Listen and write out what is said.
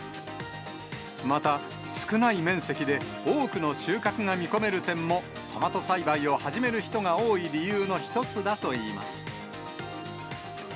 また少ない面積で、多くの収穫が見込める点も、トマト栽培を始める人が多い理由の一つだといいます。